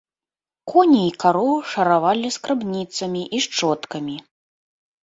Коней і кароў шаравалі скрабніцамі і шчоткамі.